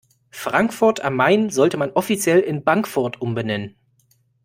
Frankfurt am Main sollte man offiziell in Bankfurt umbenennen.